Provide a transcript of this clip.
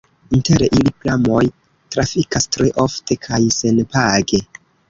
Inter ili pramoj trafikas tre ofte kaj senpage.